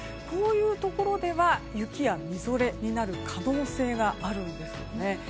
こういうところでは雪や、みぞれになる可能性があるんですよね。